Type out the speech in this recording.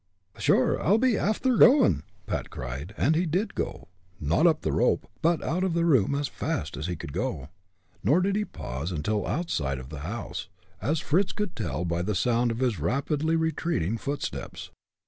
"Sure, I'll be afther goin'," Pat cried, and he did go not up the rope, but out of the room, as fast as he could go. Nor did he pause until outside of the house, as Fritz could tell by the sound of his rapidly retreating footsteps.